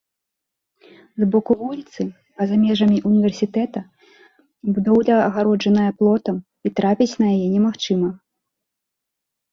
З боку вуліцы, па-за межамі ўніверсітэта, будоўля агароджаная плотам, і трапіць на яе немагчыма.